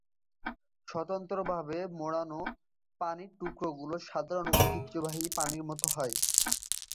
স্বতন্ত্রভাবে মোড়ানো পনিরের টুকরোগুলো, সাধারণত, ঐতিহ্যবাহী পনিরের মতো হয়।